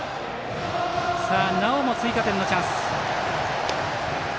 なおも追加点のチャンス。